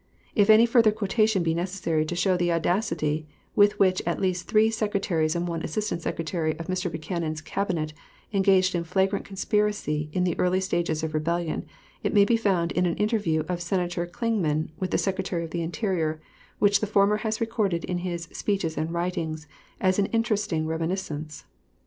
If any further quotation be necessary to show the audacity with which at least three Secretaries and one Assistant Secretary of Mr. Buchanan's Cabinet engaged in flagrant conspiracy in the early stages of rebellion, it may be found in an interview of Senator Clingman with the Secretary of the Interior, which the former has recorded in his "Speeches and Writings" as an interesting reminiscence.